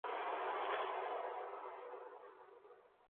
Allí se supone que los barcos desaparecen en circunstancias misteriosas.